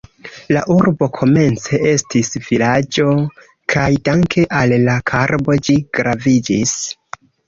La urbo komence estis vilaĝo kaj danke al la karbo ĝi graviĝis.